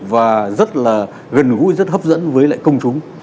và rất là gần gũi rất hấp dẫn với lại công chúng